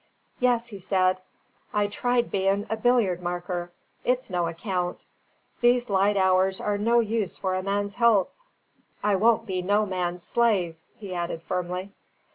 "Yes," he said, "I tried bein' a billiard marker. It's no account; these lyte hours are no use for a man's health. I won't be no man's slyve," he added firmly.